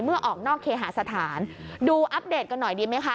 ออกนอกเคหาสถานดูอัปเดตกันหน่อยดีไหมคะ